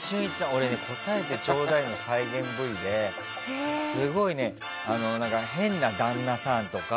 俺、「こたえてちょーだい！」の再現Ｖですごい、変な旦那さんとか。